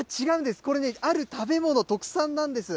これ、ある食べ物、特産なんです。